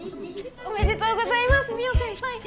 おめでとうございます望緒先輩！